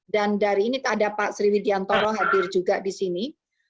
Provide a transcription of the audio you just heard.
dan dari ini ada pak sriwidiantoro hadir juga di sini